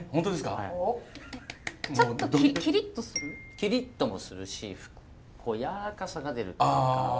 キリッともするしやわらかさが出るっていうか。